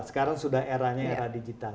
sekarang sudah eranya era digital